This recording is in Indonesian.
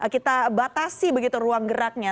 kita batasi begitu ruang geraknya